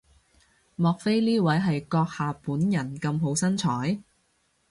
莫非呢位係閣下本人咁好身材？